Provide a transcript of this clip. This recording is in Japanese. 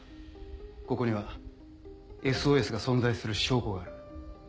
ここには「ＳＯＳ」が存在する証拠がある。